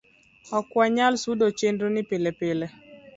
ok wanyal sudo chenro ni pile pile